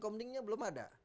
komdingnya belum ada